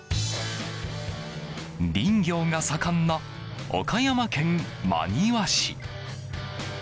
林業が盛んな岡山県真庭市。